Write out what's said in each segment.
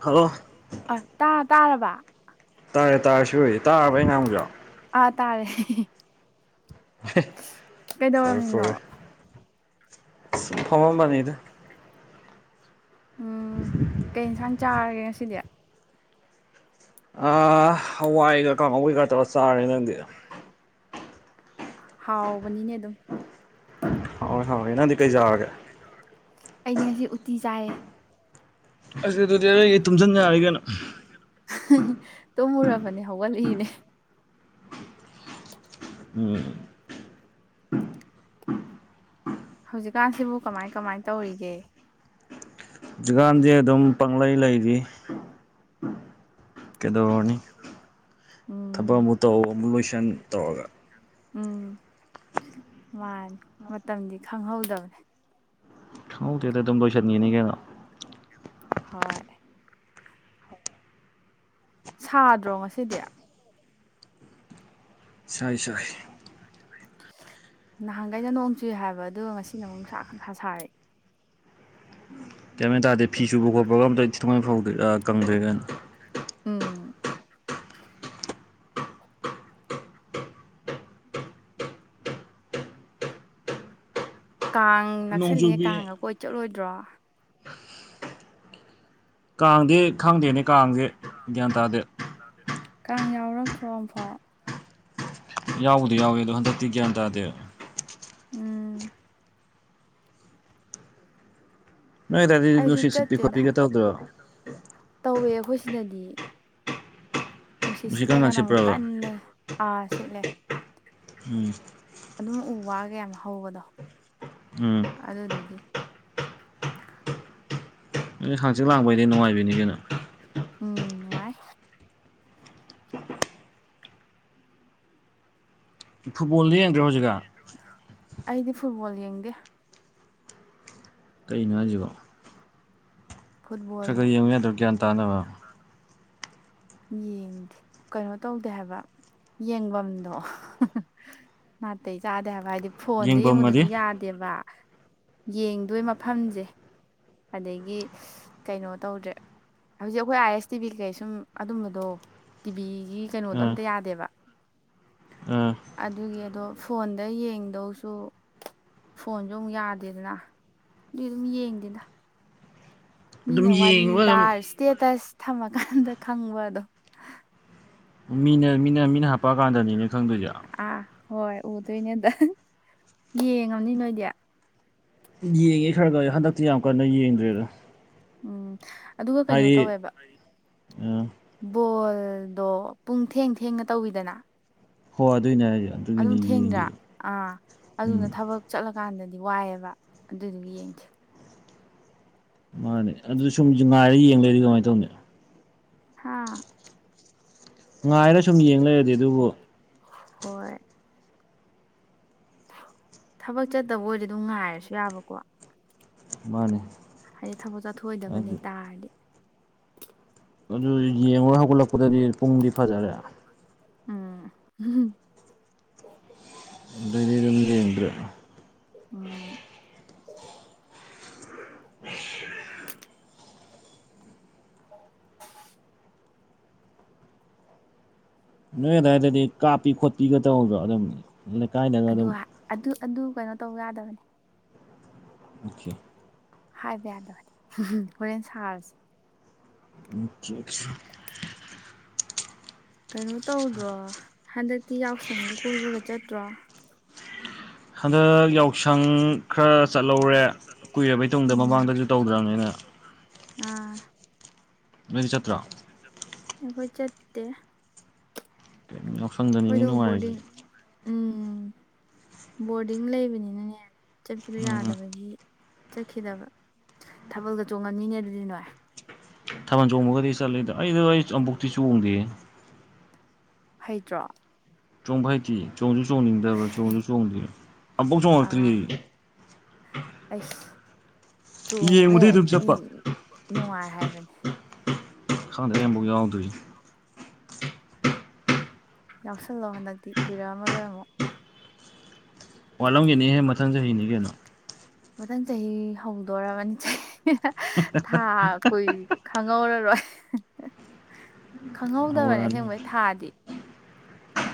Hello ꯑ ꯇꯥ ꯇꯥꯔꯕ ꯇꯥꯔꯦ ꯇꯥꯔꯦ ꯇꯥꯔꯕ ꯑꯩ ꯉꯥꯡꯕꯁꯨ ꯑꯥ ꯇꯥꯔꯦ ꯐꯔꯦ ꯀꯩꯗꯧꯔꯝꯃꯤꯅꯣ ꯐꯔꯦ ꯐꯝꯃꯝꯕꯅꯤꯗ ꯎꯝ ꯀꯩ ꯏꯟꯁꯥꯡ ꯆꯥꯔꯒꯦ ꯉꯁꯤꯗꯤ ꯍꯋꯥꯏꯒ ꯀꯥꯡꯉꯧ ꯀꯩꯒꯥ ꯇꯧꯔ ꯆꯥꯔꯦ ꯅꯪꯗꯤ ꯍꯥꯎꯕꯅꯤꯅꯦ ꯑꯗꯨꯝ ꯍꯣꯏ ꯍꯥꯎꯋꯦ ꯅꯪꯗꯤ ꯀꯩ ꯆꯥꯔꯒꯦ ꯑꯩꯗꯤ ꯉꯁꯤ ꯎꯇꯤ ꯆꯥꯏꯌꯦ ꯑꯁ ꯑꯗꯨꯗꯤ ꯑꯔꯩꯒꯩ ꯇꯨꯝꯁꯤꯟ ꯌꯥꯔꯤ ꯀꯩꯅꯣ ꯇꯨꯝꯃꯨꯔꯕꯅꯦ ꯍꯧꯒꯠꯂꯛꯏꯅꯦ ꯑꯣ ꯍꯧꯖꯤꯛꯀꯥꯟꯁꯤꯕꯨ ꯀꯃꯥꯏ ꯀꯃꯥꯏꯅ ꯇꯧꯔꯤꯒꯦ ꯍꯧꯖꯤꯛꯀꯥꯟꯁꯦ ꯑꯗꯨꯝ ꯄꯪꯂꯩ ꯂꯩꯔꯤ ꯀꯩꯗꯧꯔꯨꯅꯤ ꯎꯝ ꯊꯕꯛ ꯑꯃꯨꯛ ꯇꯧ ꯑꯃꯨꯛ ꯂꯣꯏꯁꯟ ꯇꯧꯔꯒ ꯎꯝ ꯃꯥꯅꯤ ꯃꯇꯝꯗꯤ ꯈꯪꯍꯧꯗꯕꯅꯦ ꯍꯧꯗꯦꯗ ꯑꯗꯨꯝ ꯂꯣꯏꯁꯤꯟꯈꯤꯅꯤ ꯀꯩꯅꯣ ꯍꯣꯏ ꯁꯥꯗ꯭ꯔꯣ ꯉꯁꯤꯗꯤ ꯁꯥꯏ ꯁꯥꯏ ꯅꯍꯥꯟꯈꯩꯅ ꯅꯣꯡ ꯆꯨꯏ ꯍꯥꯏꯕ ꯑꯗꯨꯒ ꯉꯁꯤꯅꯨ ꯅꯨꯡꯁꯥ ꯈꯪ ꯁꯥꯁꯥꯔꯤ ꯀꯩꯝꯥꯏꯅ ꯇꯥꯔꯦ ꯐꯤ ꯁꯨꯕ ꯈꯣꯠꯄꯒ ꯑꯝꯇ ꯊꯅ ꯐꯥꯎꯗ ꯀꯪꯗ꯭ꯔꯦ ꯀꯅ ꯎꯝ ꯀꯥꯡ ꯅꯛꯁꯜꯂꯦ ꯅꯣꯡꯖꯨꯕꯤ ꯀꯥꯡꯒ ꯀꯣꯏ ꯆꯠꯂꯣꯏꯗ꯭ꯔꯣ ꯀꯥꯡꯗꯤ ꯈꯪꯗꯦꯅꯦ ꯀꯥꯡꯁꯦ ꯒ꯭ꯌꯥꯟ ꯇꯥꯗꯦ ꯀꯥꯡ ꯌꯥꯎꯔꯛꯇ꯭ꯔꯣ ꯑꯃꯐꯥꯎ ꯌꯥꯎꯕꯨꯗꯤ ꯌꯥꯎꯏ ꯑꯗꯣ ꯍꯟꯗꯛꯇꯤ ꯒ꯭ꯌꯥꯟ ꯇꯥꯗꯦ ꯎꯝ ꯅꯣꯏꯗꯢꯗꯤ ꯑꯩꯁꯨ ꯅꯨꯡꯁꯤꯠ ꯁꯤꯠꯄꯤ ꯆꯠꯇꯦꯗ ꯈꯣꯠꯄꯤꯒꯦ ꯇꯧꯗꯣꯏ꯭ꯔꯣ ꯇꯧꯋꯦ ꯑꯩꯈꯣꯏ ꯁꯤꯗꯗꯤ ꯅꯨꯡꯁꯤꯠ ꯀꯪ ꯀꯥꯟ ꯁꯤꯠꯂꯒꯅ ꯑꯃꯨꯛ ꯁꯤꯠꯄ꯭ꯔꯕ ꯀꯟꯅꯥ ꯁꯤꯠꯂꯦ ꯎꯝ ꯑꯗꯨꯝ ꯎ ꯋꯥ ꯀꯌꯥꯝ ꯍꯧꯕꯗꯣ ꯎꯝ ꯑꯗꯨꯗꯨꯒꯤ ꯍꯪꯖꯤꯠ ꯂꯥꯡꯕ ꯗꯤ ꯅꯅꯨꯡꯉꯥꯏꯕꯤꯅꯤꯒꯅꯣ ꯎꯝ ꯅꯨꯡꯉꯥꯏ ꯐꯨꯠꯕꯣꯜꯗꯤ ꯌꯦꯡꯗ꯭ꯔꯣ ꯍꯧꯖꯤꯛꯒꯥꯟ ꯑꯩꯗꯤ ꯐꯨꯠꯕꯣꯜ ꯌꯦꯡꯗꯦ ꯀꯩꯅꯣ ꯍꯥꯏꯁꯤꯕꯣ ꯐꯨꯠꯕꯣꯜ ꯈꯔ ꯈꯔ ꯌꯦꯡꯕ ꯌꯥꯗ꯭ꯔꯣ ꯒ꯭ꯌꯥꯟ ꯇꯥꯅꯕ ꯌꯦꯡꯗꯦ ꯀꯩꯅꯣ ꯇꯧꯗꯦ ꯍꯥꯏꯕ ꯌꯦꯡꯐꯝꯗꯣ ꯅꯥꯇꯩ ꯆꯥꯗꯦ ꯍꯥꯏꯕ ꯍꯥꯏꯗꯤ ꯐꯣꯟꯗ ꯌꯦꯡꯐꯝꯒꯗꯤ ꯌꯦꯡꯕꯗꯁꯨ ꯌꯥꯗꯦꯕ ꯌꯦꯡꯗꯣꯏ ꯃꯐꯝꯁꯦ ꯑꯗꯒꯤ ꯀꯩꯅꯣ ꯇꯧꯗ꯭ꯔꯦ ꯍꯧꯖꯤꯛ ꯑꯩꯈꯣꯏ ꯑꯥꯏ ꯑꯦꯁ ꯇꯤ ꯚꯤ ꯀꯩ ꯁꯨꯝ ꯑꯗꯨꯝꯕꯗꯣ ꯇꯤꯚꯤꯒꯤ ꯀꯩꯅꯣꯗꯣ ꯑꯥ ꯑꯝꯇ ꯌꯥꯗꯦꯕ ꯑꯥ ꯑꯗꯨꯒꯤ ꯑꯗꯣ ꯐꯣꯟꯗ ꯌꯦꯡꯗꯧꯁꯨ ꯐꯣꯟꯁꯨ ꯑꯃꯨꯛ ꯌꯥꯗꯦꯗꯅ ꯑꯗꯨꯏ ꯑꯗꯨꯝ ꯌꯦꯡꯗꯦꯅ ꯑꯗꯨꯝ ꯃꯤꯅ ꯋꯥꯔꯤ ꯌꯦꯡꯕ ꯑꯗꯨꯝ ꯇꯥꯔ ꯏꯁꯇꯦꯇꯁ ꯊꯝꯃꯀꯥꯟꯗ ꯈꯪꯕ ꯑꯗꯣ ꯃꯤꯅ ꯃꯤꯅ ꯃꯤꯅ ꯍꯥꯞ ꯄ ꯀꯥꯟꯗꯅꯤ ꯑꯥ ꯍꯣꯏ ꯎꯗꯣꯏꯅꯦ ꯑꯥꯗ ꯌꯦꯡꯉꯝꯅꯤ ꯅꯣꯏꯗꯤ ꯌꯦꯡꯉꯦ ꯈꯔ ꯈꯔ ꯍꯟꯗꯛꯇꯤ ꯌꯥꯝ ꯀꯟꯅ ꯌꯦꯡꯗ꯭ꯔꯦꯗ ꯎꯝ ꯑꯗꯨꯒ ꯀꯩꯅꯣ ꯍꯥꯏꯗꯤ ꯇꯧꯋꯦꯕ ꯑ ꯕꯣꯜꯗꯣ ꯄꯨꯡ ꯊꯦꯡ ꯊꯦꯡꯅ ꯇꯧꯋꯤꯗꯅ ꯍꯣꯏ ꯑꯗꯨꯏꯅꯦ ꯍꯥꯏꯁꯦ ꯑꯗꯨꯝ ꯑꯗꯨꯒꯤꯅꯤ ꯊꯦꯡꯗ꯭ꯔꯥ ꯌꯦꯡꯗ꯭ꯔꯤ ꯑꯥ ꯑꯗꯨꯅ ꯎꯝ ꯊꯥꯕꯛ ꯆꯠꯂꯀꯥꯟꯗꯗꯤ ꯋꯥꯏꯑꯦꯕ ꯑꯗꯨꯗꯨꯅ ꯌꯦꯡꯗꯦ ꯃꯥꯅꯦ ꯑꯗꯨ ꯁꯨꯝ ꯉꯥꯏꯔꯒ ꯌꯦꯡ ꯂꯩꯔ ꯍꯥꯥ ꯉꯥꯏꯔ ꯁꯨꯝ ꯌꯦꯡ ꯂꯩꯔꯗꯤ ꯑꯗꯨꯕꯨ ꯍꯣꯏ ꯊꯥꯕꯛ ꯆꯠꯇꯕ ꯑꯣꯏꯔꯗꯤ ꯑꯗꯨꯝ ꯉꯥꯏꯔꯁꯨ ꯌꯥꯕꯀꯣ ꯃꯥꯅꯦ ꯍꯥꯏꯗꯤ ꯊꯥꯕꯛ ꯆꯠꯊꯣꯛ ꯑꯣꯏꯗꯕꯅꯦ ꯑꯗꯨ ꯇꯥꯥꯔꯗꯤ ꯑꯗꯨ ꯌꯦꯡꯉꯨꯔ ꯍꯧꯒꯠꯂꯛꯄꯗꯗꯤ ꯄꯨꯡꯗꯤ ꯐꯥꯖꯔꯦ ꯎꯝ ꯑꯗꯨꯗꯩꯗꯤ ꯗꯨꯝ ꯌꯦꯡꯗ꯭ꯔꯦ ꯎꯝ [inaudible] ꯅꯣꯏ ꯑꯗꯨꯋꯥꯏꯗꯗꯤ ꯀꯥꯞꯄꯤ ꯈꯣꯠꯄꯤꯒ ꯇꯧꯗ꯭ꯔꯣ ꯑꯗꯨꯝ ꯂꯩꯀꯥꯏꯗꯒ ꯑꯗꯨ ꯑꯗꯨꯝ ꯑꯗꯨ ꯑꯗꯨ ꯀꯩꯅꯣ ꯇꯧ ꯌꯥꯗꯕꯅꯦ ꯑꯣꯀꯦ ꯍꯥꯏꯕ ꯌꯥꯗꯕꯅꯦ ꯍꯣꯔꯦꯟ ꯁꯥꯔꯁꯦ [unintelligible] ꯀꯩꯅꯣ ꯇꯧꯗ꯭ꯔꯣ ꯍꯟꯗꯛꯇꯤ ꯌꯥꯎꯁꯪꯒ ꯀꯣꯏꯕꯒ ꯆꯠꯇ꯭ꯔꯣ ꯍꯟꯗꯛ ꯌꯥꯎ ꯍꯟꯗꯛ ꯌꯥꯎꯁꯪ ꯈꯔ ꯆꯠꯍꯧꯔꯦ ꯀꯨꯏꯔꯕꯩ ꯇꯨꯡꯗ ꯑꯝ ꯂꯣꯏꯕꯩ ꯃꯃꯥꯡꯗꯁꯨ ꯇꯨꯡꯗ ꯇꯧꯗ꯭ꯔꯕꯅꯤꯅ ꯃꯃꯥꯡꯗꯁꯨ ꯇꯧꯅꯤ ꯑꯥ ꯅꯣꯏꯗꯤ ꯆꯠꯇ꯭ꯔꯣ ꯑꯩꯈꯣꯏ ꯆꯠꯇꯦ ꯀꯌꯤꯝ ꯌꯥꯎꯁꯟ ꯑꯩꯈꯣꯏꯗꯣ ꯕꯣꯔꯗꯤꯡ ꯎꯝ ꯕꯣꯔꯗꯤꯡ ꯂꯩꯕꯅꯤꯅꯅꯦ ꯆꯠꯄꯗꯣ ꯎꯝ ꯌꯥꯗꯕꯒꯤ ꯆꯠꯈꯤꯗꯕ ꯊꯥꯕꯜꯒ ꯆꯣꯡꯉꯝꯅꯤꯅꯦ ꯑꯗꯨꯗꯤ ꯅꯣꯏ ꯊꯥꯕꯜ ꯆꯣꯡꯕꯒꯗꯤ ꯆꯠꯂꯦꯗ ꯑꯩꯗꯣ ꯑꯩ ꯑꯕꯨꯛꯇꯤ ꯆꯣꯡꯗꯦꯌꯦ ꯍꯩꯇ꯭ꯔꯣ ꯆꯣꯡꯕ ꯍꯥꯏꯇꯦ ꯆꯣꯡꯁꯨ ꯆꯣꯡꯅꯤꯡꯗꯕ ꯆꯣꯡꯁꯨ ꯆꯣꯡꯗ꯭ꯔꯤ ꯑꯃꯕꯧ ꯆꯣꯡꯡꯂꯛꯇ꯭ꯔꯤ ꯑꯥ ꯑꯩ ꯑꯩꯁ ꯆꯣꯡꯉꯨꯍꯦ ꯌꯦꯡꯕꯗꯩ ꯑꯗꯨꯝ ꯃꯤ ꯆꯠꯄ ꯅꯨꯡꯉꯥꯏ ꯍꯥꯏꯕꯅꯤ ꯈꯪꯗꯦ ꯑꯩ ꯑꯝꯐꯥꯎ ꯌꯥꯎꯗ꯭ꯔꯤ ꯌꯥꯎꯁꯜꯂꯣ ꯍꯟꯗꯛꯇꯤ ꯀꯨꯏꯔꯛ ꯑꯝꯃꯔꯣꯏ ꯑꯃꯨꯛ ꯋꯥꯠꯂꯝꯒꯦꯅꯤꯍꯦ ꯃꯊꯪ ꯆꯍꯤꯅꯤ ꯀꯩꯅꯣ ꯃꯊꯪ ꯆꯍꯤ ꯍꯧꯗꯣꯔꯕꯅꯤ ꯊꯥ ꯀꯨꯏ ꯈꯪꯍꯧꯔꯔꯣꯏ ꯈꯪꯍꯧꯗꯕꯅꯦ ꯍꯧꯔꯛꯑꯅꯤ ꯑꯁꯦꯡꯕꯩ ꯊꯥꯗꯤ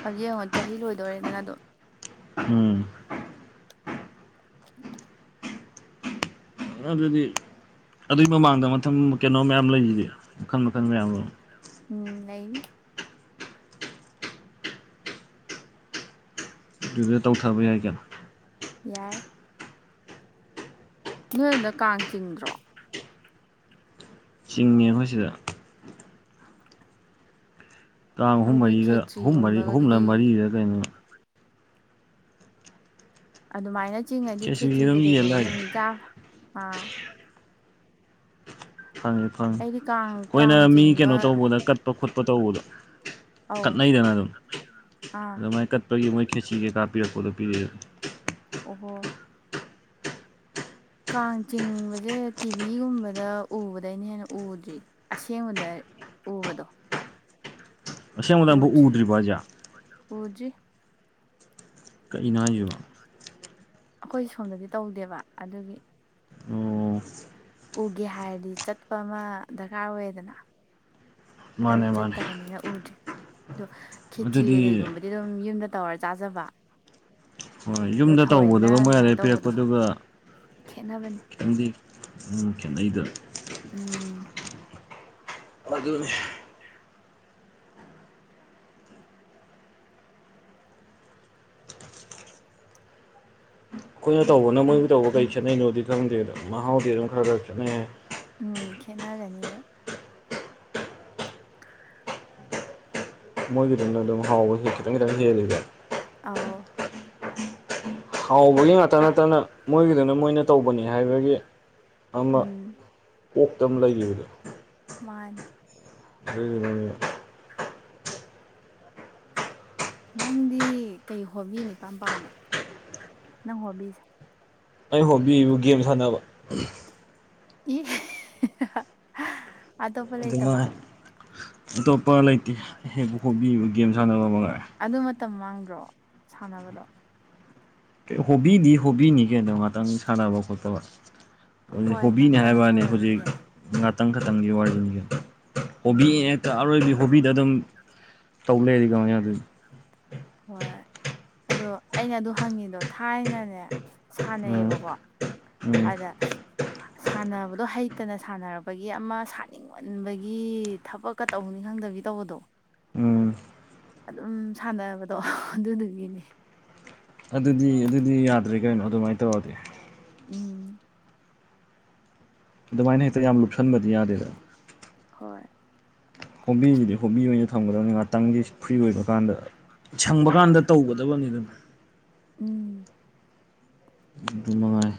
ꯍꯧꯖꯤꯛ ꯌꯦꯡꯉꯣ ꯆꯍꯤ ꯂꯣꯏꯗꯣꯔꯦꯗꯅ ꯑꯗꯨꯝ ꯎꯝ [unintelligible] ꯑꯗꯨꯗꯤ ꯑꯗꯨꯏ ꯃꯃꯥꯡꯗ ꯃꯊꯪ ꯀꯩꯅꯣ ꯃꯌꯥꯝ ꯂꯩꯁꯤꯗꯤ ꯃꯈꯜ ꯃꯈꯜ ꯃꯌꯥꯝꯗꯣ ꯎꯝ ꯂꯩ ꯑꯗꯨꯗ ꯇꯧꯊꯕ ꯌꯥꯏ ꯀꯩꯅꯣ ꯌꯥꯏ ꯅꯣꯏ ꯑꯥꯗ ꯀꯥꯡ ꯆꯤꯡꯗ꯭ꯔꯣ ꯆꯤꯡꯉꯦ ꯑꯩꯈꯣꯏ ꯁꯤꯗ ꯀꯥꯡ ꯑꯍꯨꯝ ꯑꯗꯨꯗꯤ ꯃꯔꯤꯒ ꯑꯍꯨꯝ ꯃꯔꯤ ꯑꯍꯨꯝꯂ ꯈꯦꯇ꯭ꯔꯤꯒꯨꯝꯕꯒꯗꯨꯗꯤ ꯃꯔꯤꯔ ꯀꯩꯅꯣ ꯑꯗꯨꯃꯥꯏꯅ ꯆꯤꯡꯉꯗꯤ ꯈꯦꯆ꯭ꯔꯤ ꯑꯗꯨꯝ ꯌꯦꯜꯂ ꯀꯩꯀꯩꯒꯨꯝꯕꯗꯤ ꯑꯗꯨꯝ ꯆꯥ ꯑꯥ ꯐꯪꯉꯦ ꯐꯪꯉꯦ ꯑꯩꯗꯤ ꯀꯥꯡ ꯈꯣꯏꯅ ꯀꯥꯡ ꯃꯤ ꯆꯤꯡꯕ ꯀꯩꯅꯣ ꯇꯧꯕꯗ ꯀꯠꯄ ꯈꯣꯠꯄ ꯇꯧꯕꯗꯣ ꯑꯧ ꯀꯠꯅꯩꯗꯅ ꯑꯗꯨꯝ ꯑꯥ ꯑꯗꯨ ꯃꯥꯏ ꯀꯠꯄꯒꯤ ꯃꯣꯏ ꯈꯦꯠꯆꯤ ꯀꯩꯀꯥ ꯄꯤꯔꯛꯄꯗꯨ ꯄꯤꯔꯤꯔꯛꯑꯦꯕ ꯑꯣꯍꯣ ꯀꯥꯡ ꯆꯤꯡꯕꯁꯦ ꯇꯤ ꯚꯤꯒꯨꯝꯕꯗ ꯎꯕꯗꯩꯅ ꯍꯦꯟꯅ ꯎꯗ꯭ꯔꯤ ꯑꯁꯦꯡꯕꯗ ꯎꯕꯗꯣ ꯑꯁꯦꯡꯕꯗ ꯎꯗ꯭ꯔꯤ ꯑꯃꯨꯛꯐꯥꯎ ꯎꯗ꯭ꯔꯤꯕꯣ ꯍꯥꯏꯁꯦ ꯎꯗ꯭ꯔꯤ ꯀꯩꯅꯣ ꯍꯥꯏꯖꯤꯕꯣ ꯑꯩꯈꯣꯏ ꯁꯣꯝꯗꯗꯤ ꯇꯧꯗꯦꯕ ꯑꯗꯨꯒꯤ ꯑꯣ ꯎꯒꯦ ꯍꯥꯏꯔꯗꯤ ꯆꯠꯄ ꯑꯃ ꯗꯔꯀꯥꯔ ꯑꯣꯏꯌꯦꯗꯅ ꯑꯗꯨ ꯃꯥꯅꯦ ꯃꯥꯅꯦ ꯆꯠꯇꯕꯅꯤꯅ ꯎꯗ꯭ꯔꯦ ꯑꯗꯣ ꯈꯦꯆ꯭ꯔꯤ ꯑꯗꯨꯗꯤ ꯀꯩ ꯀꯩꯒꯨꯝꯕ ꯑꯗꯨ ꯑꯗꯨꯝ ꯌꯨꯝꯗ ꯇꯧꯔ ꯆꯥꯖꯕ ꯍꯣꯏ ꯑꯗꯣ ꯌꯨꯝꯗ ꯊꯑꯣꯏꯅ ꯇꯧꯕꯗꯨꯒ ꯃꯣꯏ ꯑꯗꯨꯃꯥꯏꯅ ꯑꯥꯗꯩ ꯇꯧꯕꯗꯣ ꯄꯤꯔꯛꯄꯗꯨꯒ ꯈꯦꯠꯅꯕꯅꯦ ꯈꯤꯇꯪꯗꯤ ꯈꯦꯠꯅꯩꯗ ꯎꯝ ꯑꯗꯨꯅꯦ ꯑꯩꯈꯣꯏꯅ ꯇꯧꯕꯅ ꯃꯣꯏꯕꯨ ꯇꯧꯕ ꯀꯩ ꯈꯦꯠꯅꯩꯅꯣꯗꯤ ꯈꯪꯗꯦ ꯑꯗꯨꯝ ꯃꯍꯥꯎꯗꯤ ꯑꯗꯨꯝ ꯈꯔ ꯈꯔ ꯈꯦꯠꯅꯩ ꯍꯥꯏ ꯎꯝ ꯈꯦꯠꯅꯒꯅꯤꯌꯦ ꯃꯣꯏꯒꯤꯗꯨꯅ ꯑꯗꯨꯝ ꯍꯥꯎꯕ ꯈꯤꯇꯪ ꯈꯤꯇꯪ ꯍꯦꯜꯂꯤꯗꯅ ꯑꯥꯎ ꯍꯥꯎꯕꯒꯤ ꯉꯥꯛꯇ ꯅꯠꯇꯅ ꯃꯣꯏꯒꯤꯗꯨꯅ ꯃꯣꯏꯅ ꯇꯧꯕꯅꯤ ꯍꯥꯏꯕꯒꯤ ꯑꯃ ꯎꯝ ꯀꯣꯛꯇ ꯑꯃ ꯂꯩꯒꯤꯕꯗꯣ ꯃꯥꯟꯅꯦ ꯑꯗꯨꯏꯗꯨꯅꯅꯦ ꯅꯪꯗꯤ ꯀꯩ ꯍꯣꯕꯤꯅ ꯏꯄꯥꯥꯝ ꯄꯥꯝꯃꯦ ꯅꯪ ꯍꯣꯕꯤꯖꯦ ꯑꯩꯩ‌ ꯍꯣꯕꯤꯕꯨ ꯒꯦꯝ ꯁꯥꯟꯅꯕ ꯏ [unintelligible] ꯂꯩꯇꯕ ꯑꯗꯨꯃꯉꯥꯏ ꯑꯇꯣꯞꯄ ꯂꯩꯇꯦ ꯍꯦꯛꯄ ꯍꯣꯕꯤ ꯒꯦꯝ ꯁꯥꯟꯅꯕ ꯃꯉꯥꯏꯔꯦ ꯑꯗꯨ ꯃꯇꯝ ꯃꯥꯡꯗ꯭ꯔꯣ ꯁꯥꯟꯅꯕꯗꯣ ꯍꯣꯕꯤꯗꯤ ꯍꯣꯕꯤꯅꯤ ꯀꯩꯅꯣ ꯉꯥꯛꯇꯪ ꯁꯥꯟꯅꯕ ꯈꯣꯠꯄ ꯍꯧꯖꯤꯛ ꯍꯣꯏ ꯍꯣꯕꯤꯅꯤ ꯉꯥꯛꯇꯪ ꯍꯥꯏꯕꯩ ꯋꯥꯅꯤ ꯑꯣꯏꯔꯕꯗꯤ ꯍꯧꯖꯤꯛ ꯌꯥꯏ ꯉꯥꯛꯇꯪ ꯈꯇꯪꯒꯤ ꯋꯥꯔꯤꯅꯤ ꯀꯩꯅꯣ ꯎꯝ ꯍꯣꯕꯤꯅꯦꯅ ꯍꯦꯛꯇ ꯑꯔꯣꯏꯕꯤ ꯍꯣꯕꯤꯗ ꯑꯗꯨꯝ ꯇꯧ ꯂꯩꯔꯗꯤ ꯀꯃꯥꯏ ꯌꯥꯗꯣꯏꯅꯣ ꯍꯣꯏ ꯑꯗꯣ ꯑꯩꯅ ꯑꯗꯨ ꯍꯪꯉꯤꯗꯣ ꯊꯥꯏꯅꯅꯦ ꯑ ꯁꯥꯟꯅꯩꯌꯦꯕꯀꯣ ꯎꯝ ꯑꯗ ꯁꯥꯟꯅꯕꯗꯣ ꯍꯩꯇꯅ ꯁꯥꯟꯅꯔꯕꯒꯤ ꯑꯃ ꯁꯥꯥꯟꯅꯤꯡ ꯉꯟꯕꯒꯤ ꯊꯕꯛꯀ ꯇꯧꯅꯤ ꯈꯪꯗꯕꯤ ꯇꯧꯕꯗꯣ꯫ ꯎꯝ ꯑꯗꯨꯝ ꯁꯥꯟꯅꯕꯗꯣ ꯑꯗꯨꯗꯨꯒꯤꯅꯦ꯫ ꯑꯗꯨꯗꯤ ꯑꯗꯨꯗꯤ ꯌꯥꯗ꯭ꯔꯦ ꯀꯩꯅꯣ ꯑꯗꯨꯃꯥꯏꯅ ꯇꯧꯔꯗꯤ꯫ ꯎꯝ꯫ ꯑꯗꯨꯃꯥꯏꯅ ꯍꯦꯛꯇ ꯌꯥꯝ ꯂꯨꯞꯁꯟꯕꯗꯤ ꯌꯥꯗꯦꯗ꯫ ꯍꯣꯏ꯫ ꯍꯣꯕꯤꯕꯨꯗꯤ ꯍꯣꯕꯤ ꯑꯣꯏꯅ ꯊꯝꯒꯗꯕꯅꯤ ꯉꯥꯛꯇꯪꯒꯤ ꯐ꯭ꯔꯤ ꯑꯣꯏꯕ ꯀꯥꯟꯗ ꯁꯪꯕ ꯀꯥꯟꯗ ꯇꯧꯒꯗꯕꯅꯤꯗ ꯎꯝ꯫ ꯑꯗꯨꯃꯉꯥꯏ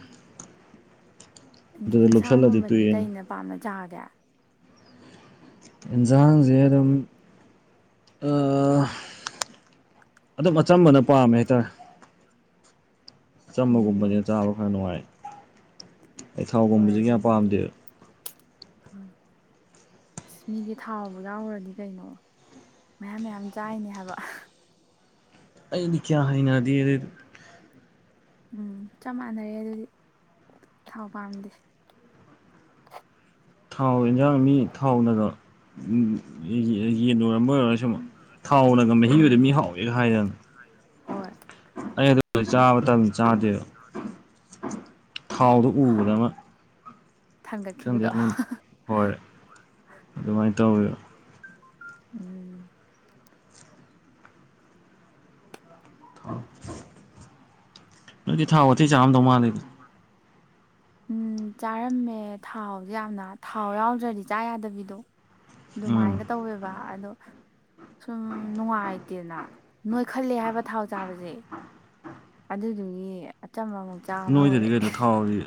ꯏꯟ ꯂꯨꯞꯁꯜꯂꯗꯤ ꯏꯟꯁꯥꯡꯒꯨꯝꯕꯗꯤ ꯇꯣꯛꯑꯦꯅ ꯀꯩꯅ ꯄꯥꯝꯅ ꯆꯥꯒꯦ꯫ ꯏꯟꯖꯥꯡꯖꯦ ꯑꯗꯨꯝ ꯑꯥ ꯑꯗꯨꯝ ꯑꯆꯝꯕꯅ ꯄꯥꯝꯃꯦ ꯍꯥꯏꯇꯥꯔꯦ ꯑꯆꯝꯕꯒꯨꯝꯕꯖꯦ ꯎꯝ ꯆꯥꯕ ꯈꯔ ꯅꯨꯡꯉꯥꯏ ꯑꯩ ꯍꯣꯏ ꯊꯥꯎꯒꯨꯝꯕꯁꯦ ꯀꯌꯥ ꯑꯗꯨꯕꯨꯗꯤ ꯄꯥꯝꯗꯦꯕ ꯍꫭꯏ ꯑꯁ ꯃꯤꯗꯤ ꯊꯥꯎꯕꯨ ꯌꯥꯎꯈ꯭ꯔꯗꯤ ꯀꯩꯅꯣ ꯃꯌꯥꯝ ꯃꯌꯥꯝ ꯆꯥꯏꯅꯦ ꯍꯥꯏꯕ ꯑꯩꯗꯤ ꯀꯌꯥ ꯍꯩꯅꯗꯦ ꯑꯗꯨꯏꯗꯨ ꯎꯝ ꯆꯞ ꯃꯥꯟꯅꯔꯦ ꯑꯗꯨꯗꯤ ꯊꯥꯎ ꯄꯥꯝꯗꯦ꯫ ꯊꯥꯎ ꯌꯦꯟꯖꯥꯡ ꯃꯤ ꯊꯥꯎꯅꯔꫭ ꯎꯝ ꯌꯦꯟ ꯑꯣꯏꯔꯝꯕ ꯑꯣꯏꯔꯁꯨ ꯊꯥꯎꯅ ꯃꯍꯤꯒꯤꯗ ꯎꯝ ꯃꯤ ꯍꯥꯎꯋꯦꯒ ꯍꯥꯏꯗꯅ ꯍꯣꯏ ꯑꯩ ꯑꯗꯨ ꯆꯥꯕ ꯃꯇꯝ ꯆꯥꯗꯦꯕ ꯊꯥꯎꯗꯣ ꯎꯕꯗ ꯑꯃ ꯈꯪꯗꯦ ꯊꯥꯡꯒꯠꯈꯤꯕꯗꯣ ꯑꯩꯉꯣꯟꯗ ꯍꯣꯏ ꯑꯗꯨꯃꯥꯏꯅ ꯇꯧꯋꯦꯕ꯫ ꯎꯝ꯫ [inaudible] ꯅꯣꯏꯗꯤ ꯊꯥꯎ ꯋꯥꯇꯤ ꯆꯥꯝꯗꯧ ꯃꯥꯜꯂꯤꯗ꯫ ꯎꯝ ꯆꯥꯔꯝꯃꯦ ꯊꯥꯎꯁꯦ ꯌꯥꯝꯅ ꯊꯥꯎ ꯌꯥꯎꯗ꯭ꯔꯗꯤ ꯆꯥ ꯌꯥꯗꯕꯤꯗꯣ꯫ ꯎꯝ ꯑꯗꯨꯃꯥꯏꯅꯒ ꯇꯧꯋꯦꯕ ꯑꯗꯣ ꯁꯨꯝ ꯅꯨꯡꯉꯥꯏꯇꯦꯅ ꯅꯣꯏꯈꯠꯂꯦ ꯍꯥꯏꯕ ꯊꯥꯎ ꯆꯥꯕꯁꯦ꯫ ꯑꯗꯨꯗꯨꯒꯤ ꯑꯆꯝꯕ ꯑꯃꯨꯛ ꯆꯥꯕ ꯅꯣꯏꯗꯗꯤ ꯍꯧꯔꯛꯑꯦ꯫ ꯀꯩꯅꯣ ꯊꯥꯎꯗꯤ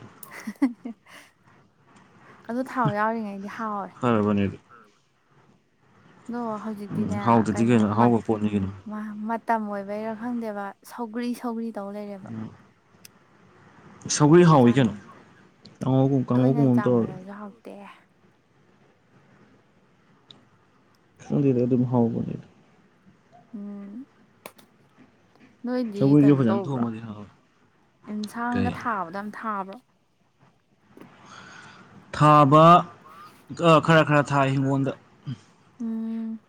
ꯑꯗꯨ ꯊꯥꯎ ꯌꯥꯎꯔꯤꯉꯩꯗꯤ ꯍꯥꯎꯋꯦ꯫ ꯍꯥꯕꯅꯦꯗꯤ ꯑꯗꯣ ꯎꯝ ꯍꯧꯖꯤꯛꯇꯤꯅꯦ ꯍꯥꯎꯇꯗꯤ ꯀꯩꯅꯣ ꯃꯩ ꯑꯍꯥꯎꯕ ꯄꯣꯠꯅꯤ ꯀꯩꯅꯣ ꯃꯇꯝ ꯑꯣꯏꯕꯩꯔꯥ ꯈꯪꯗꯦꯕ ꯁꯧꯒ꯭ꯔꯤ ꯁꯧꯒ꯭ꯔꯤ ꯇꯧ ꯂꯩꯔꯦꯕ꯫ ꯁꯧꯒ꯭ꯔꯤ ꯍꯥꯎꯋꯤ ꯆꯟ ꯀꯩꯅꯣ ꯀꯥꯡꯉꯧꯒꯨꯝ ꯇꯣꯏꯅ ꯀꯥꯡꯉꯧꯒꯨꯝꯕ ꯑꯃ ꯇꯧꯔꯒ ꯆꯃꯥꯟꯂꯁꯨ ꯍꯥꯎꯇꯦ꯫ ꯈꯪꯗꯦꯗ ꯑꯗꯨꯝ ꯍꯥꯎꯕꯅꯤꯗ ꯎꯝ꯫ ꯅꯣꯏꯗꯤ ꯁꯧꯒ꯭ꯔꯤꯁꯨ ꯀꯩꯅꯣ ꯐꯖꯅ ꯇꯧꯕ꯭ꯔꫭ ꯊꯣꯡꯉꯗꯤ ꯍꯥꯎꯋꯦ ꯀꯩ ꯑꯦꯟꯁꯥꯡꯒ ꯊꯥꯕꯗꫭ ꯌꯥꯝ ꯊꯥꯕ꯭ꯔꯣ꯫ ꯊꯥꯕ ꯈꯔ ꯈꯔ ꯊꯥꯏ ꯍꯤꯡꯒꯣꯜꯗ꯫ ꯎꯝ꯫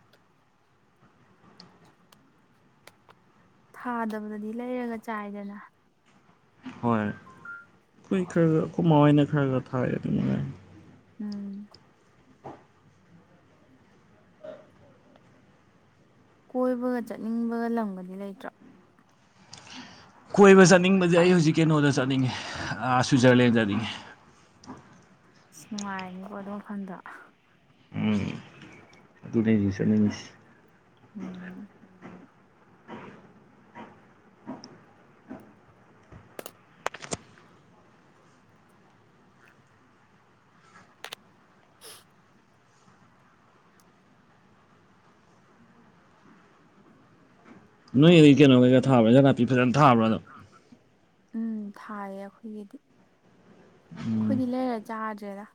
ꯊꯥꯗꯕꯗꯗꯤ ꯂꯩꯔꯒ ꯆꯥꯏꯗꯅ ꯍꯣꯏ ꯑꯩꯈꯣꯏ ꯈꯔ ꯈꯔ ꯑꯩꯈꯣꯏ ꯃꯥ ꯍꯣꯏꯅ ꯈꯔ ꯈꯔ ꯊꯥꯏ ꯑꯗꯨꯃꯉꯥꯏ ꯎꯝ꯫ ꯀꯣꯏꯕꯒ ꯆꯠꯅꯤꯡꯕꯒ ꯂꯝꯒꯗꯤ ꯂꯩꯇ꯭ꯔꯥ ꯀꯣꯏꯕ ꯆꯠꯅꯤꯡꯕꯁꯦ ꯑꯩ ꯍꯧꯖꯤꯛ ꯀꯩꯅꯣꯗ ꯆꯠꯅꯤꯡꯉꯦ ꯑ ꯁ꯭ꯋꯤꯖꯔꯂꯦꯟꯗ ꯆꯠꯅꯤꯡꯉꯦ ꯑꯁ ꯅꯨꯡꯉꯥꯏꯔꯅꯤꯀꯣ ꯑꯗꯣ ꯋꯥꯈꯜꯗꯣ ꯎꯝ ꯑꯗꯨꯅꯦ ꯑꯩ ꯍꯨꯖꯤꯛ ꯆꯠꯅꯤꯡꯉꯤꯁꯦ ꯎꯝ ꯅꯣꯏꯒꯤꯗꯤ ꯀꯩꯅꯣ ꯀꯩꯀ ꯊꯥꯕ꯭ꯔꯥ ꯍꯤꯟꯖꯥꯡ ꯅꯥꯄꯤ ꯐꯖꯅ ꯊꯥꯕ꯭ꯔꯥꯗꯨꯝ ꯎꯝ ꯊꯥꯏꯌꯦ ꯑꯩꯈꯣꯏꯒꯤꯗꯤ ꯎꯝ ꯑꯩꯈꯣꯏꯗꯤ ꯂꯩꯔꯒ ꯆꯥꯗ꯭ꯔꯦꯗ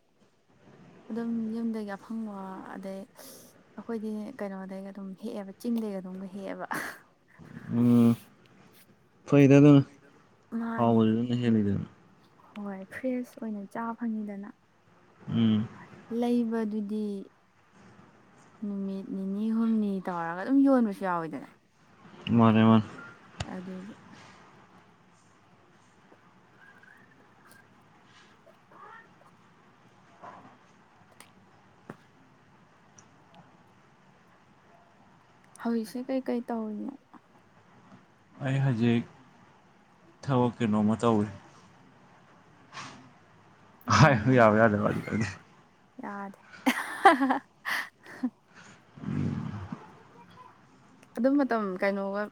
ꯑꯗꯨꯝ ꯌꯨꯝꯗꯒꯤ ꯑꯐꯪꯕ ꯑꯗꯩ ꯑꯩꯈꯣꯏꯗꯤ ꯀꯩꯅꯣꯗꯩꯒ ꯑꯗꯨꯝ ꯍꯦꯛꯑꯦꯕ ꯆꯤꯡꯗꯩꯒ ꯑꯗꯨꯝꯒ ꯍꯦꯛꯑꯦꯕ ꯎꯝ ꯐꯩꯗ ꯑꯗꯨꯅ ꯃꯥꯅꯦ ꯍꯥꯎꯕꯁꯨ ꯗꯨꯅ ꯍꯦꯜꯂꯤꯗꯅ ꯍꯣꯏ ꯐ꯭ꯔꯦꯁ ꯑꯣꯏꯅ ꯆꯥ ꯐꯪꯉꯤꯗꯅ ꯎꯝ ꯂꯩꯕꯗꯨꯗꯤ ꯅꯨꯃꯤꯠ ꯅꯤꯅꯤ ꯍꯨꯝꯅꯤ ꯇꯧꯔꯒ ꯑꯗꯨꯝ ꯌꯣꯟꯕꯁꯨ ꯌꯥꯎꯋꯤꯗꯅ ꯃꯥꯅꯦ-ꯃꯥꯅꯦ ꯑꯗꯨꯗ ꯍꯧꯖꯤꯛꯁꯦ ꯀꯩꯀꯩ ꯇꯧꯔꯤꯅꯣ ꯑꯩ ꯍꯧꯖꯤꯛ ꯊꯕꯛ ꯀꯩꯅꯣꯝꯃ ꯇꯧꯔꯤ ꯍꯥꯏꯕ ꯎꯝ ꯌꯥꯕ ꯌꯥꯗꯕ꯭ꯔꯗꯤ ꯈꯪꯗꯦ ꯌꯥꯗꯦ [inaudible] ꯑꯗꯨ ꯃꯇꯝ ꯀꯩꯅꯣꯒ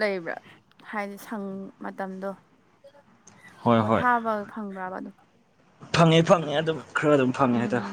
ꯂꯩꯕ꯭ꯔꯥ ꯍꯥꯏꯗꯤ ꯁꯪ ꯃꯇꯝꯗꯣ ꯍꯣꯏ ꯍꯣꯏ ꯄꯣꯊꯥꯕ ꯐꯪꯗ꯭ꯔꯕ ꯑꯗꯨꯝ ꯐꯪꯉꯦ- ꯐꯪꯉꯦ ꯑꯗꯨꯝ ꯈꯔ ꯑꯗꯨꯝ ꯐꯪꯉꯦ ꯍꯥꯏꯇꯥꯔꯦ ꯎꯝ